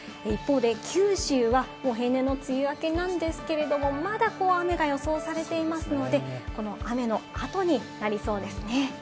一方で九州はもう平年の梅雨明けなんですけれども、まだ雨が予想されていますので、この雨の後になりそうですね。